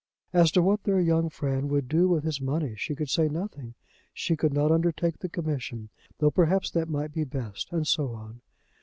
As to what their young friend would do with his money she could say nothing. She could not undertake the commission, though perhaps that might be best, and so on.